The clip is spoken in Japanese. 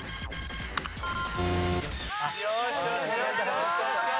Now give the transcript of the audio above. よしよし。